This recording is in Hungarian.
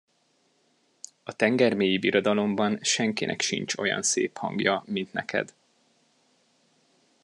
A tengermélyi birodalomban senkinek sincs olyan szép hangja, mint neked.